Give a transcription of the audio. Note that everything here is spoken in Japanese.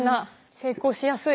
成功しやすい。